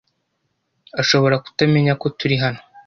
Ashobora kutamenya ko turi hano.